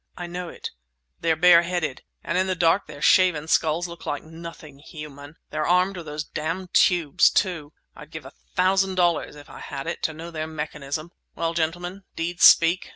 "I know it!" "They're bareheaded; and in the dark their shaven skulls look like nothing human. They're armed with those damned tubes, too. I'd give a thousand dollars—if I had it!—to know their mechanism. Well, gentlemen, deeds speak.